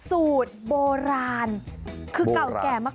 สูตรโบราณคือเก่าแก่มาก